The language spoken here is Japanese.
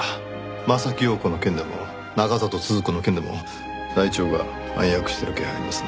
柾庸子の件でも中郷都々子の件でも内調が暗躍してる気配ありますね。